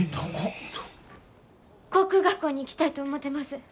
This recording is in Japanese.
航空学校に行きたいと思てます。